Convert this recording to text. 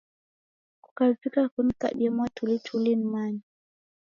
Kukavika kunikabie mwatulituli nimanye.